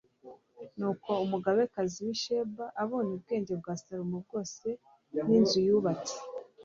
nuko umugabekazi w'i sheba abonye ubwenge bwa salomo bwose n'inzu yubatse